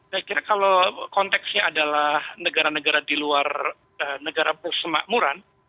saya kira kalau konteksnya adalah negara negara di luar negara persemakmuran